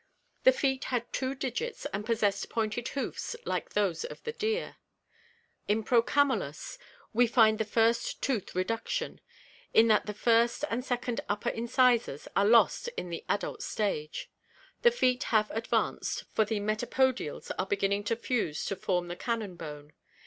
The feet had two digits and possessed pointed hoofs like those of the deer. ■ |i/ In Procamdus (Fig. * V . 231) we find the first , ^L ■ tooth reduction, in '._... 1 ■„":_.. that the first and second upper incisors ; lost in the adult stage. The feet have advanced, for the mctapodiaU are beginning to fuse to form the cannon bone.